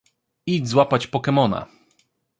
Idź złapać pokemona.